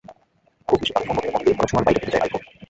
খুব বেশি দামি ফোন বলে অনেকেরই ধরাছোঁয়ার বাইরে থেকে যায় আইফোন।